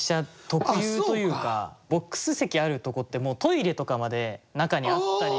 ボックス席あるとこってもうトイレとかまで中にあったり。